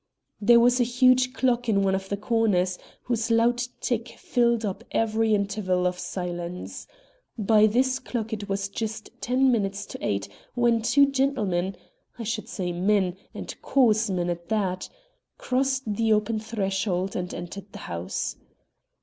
There was a huge clock in one of the corners, whose loud tick filled up every interval of silence. By this clock it was just ten minutes to eight when two gentlemen (I should say men, and coarse men at that) crossed the open threshold and entered the house.